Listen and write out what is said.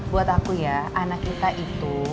buat aku ya anak kita itu